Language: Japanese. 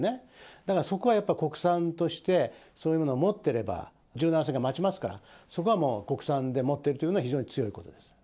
だから、そこはやっぱり国産としてそういうものを持ってれば柔軟性が増しますから、そこはもう国産で持っているというのは非常に強いことです。